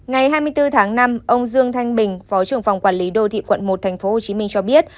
ngày hai mươi bốn tháng năm ông dương thanh bình phó trưởng phòng quản lý đô thị quận một tp hcm cho biết